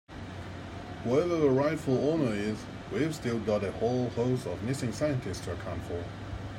Whoever the rightful owner is we've still got a whole host of missing scientists to account for.